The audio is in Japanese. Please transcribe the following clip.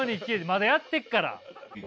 まだやってっから。